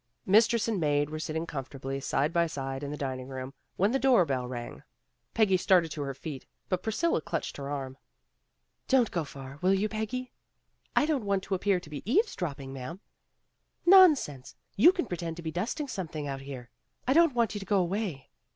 '' Mistress and maid were sitting comfortably side by side in the dining room when the door bell rang. Peggy started to her feet, but Pris cilla clutched her arm. "Don't go far, will you, Peggy." "I don't want to appear to be eavesdropping, ma'am." "Nonsense: you can pretend to be dusting something out here. I don't want you to go away."